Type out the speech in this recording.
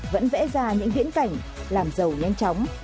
vẫn vẽ ra những viễn cảnh làm giàu nhanh chóng